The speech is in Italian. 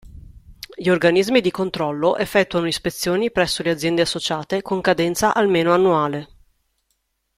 Gli organismi di controllo effettuano ispezioni presso le aziende associate con cadenza almeno annuale.